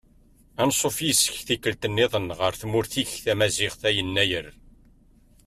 Ansuf yis-k tikkelt-nniḍen ɣer tmurt-ik tamaziɣt a Yennayer.